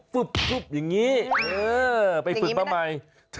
ฟุบอย่างนี้ไปฝึดประมาย